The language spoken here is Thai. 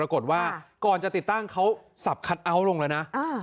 ก่อนจะติดตั้งเขาสับคัตเอาท์ลงเลยนะ